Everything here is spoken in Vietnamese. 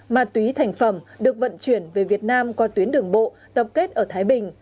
ma túy thành phẩm được vận chuyển về việt nam qua tuyến đường bộ tập kết ở thái bình